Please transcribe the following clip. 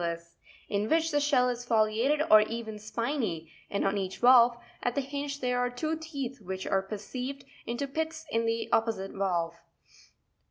Sponpyivus, in which the shell is foliated or even spiny, and on each valve at the hinge there are two teeth which are received into pits in the opposite valve: 11.